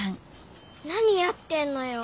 何やってんのよ。